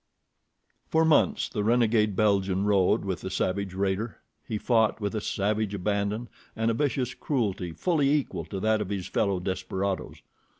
For months the renegade Belgian rode with the savage raider. He fought with a savage abandon, and a vicious cruelty fully equal to that of his fellow desperadoes.